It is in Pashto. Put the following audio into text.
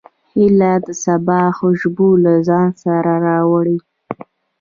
هیلۍ د سبا خوشبو له ځان سره راوړي